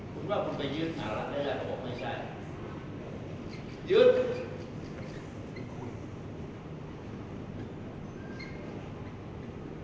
คุณว่าและคุณไปยืดอามันได้เลยแต่ว่าไม่ใช่ยืด